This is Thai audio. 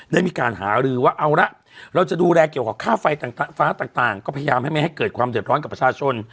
ได้มีการหารือว่าเอาละเราจะดูแลเกี่ยวกับค่าไฟฟ้าต่างก็พยายามให้ไม่ให้เกิดความเดือดร้อนกับประชาชน